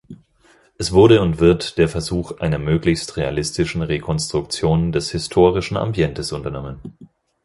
Es wurde und wird der Versuch einer möglichst realistischen Rekonstruktion des historischen Ambientes unternommen.